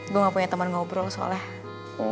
gue gak punya teman ngobrol soalnya